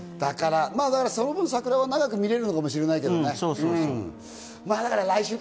その分、桜は長く見られるかもしれないけどね。